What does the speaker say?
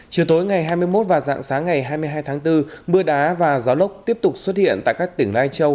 chiều tối ngày hai mươi một và dạng sáng ngày hai mươi hai tháng bốn mưa đá và gió lốc tiếp tục xuất hiện tại các tỉnh lai châu